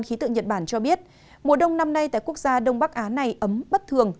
khí tượng nhật bản cho biết mùa đông năm nay tại quốc gia đông bắc á này ấm bất thường